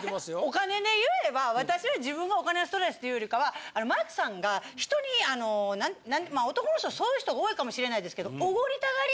お金でいえば私は自分がお金のストレスっていうよりかはマックさんが人に男の人そういう人多いかもしれないですけど。